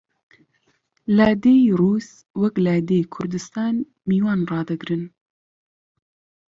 لادێی ڕووس وەک لادێی کوردستان میوان ڕادەگرن